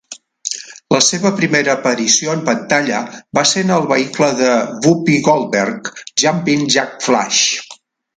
La seva primera aparició en pantalla va ser en el vehicle de Whoopi Goldberg "Jumpin Jack Flash".